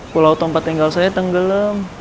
pulau tempat tinggal saya tenggelam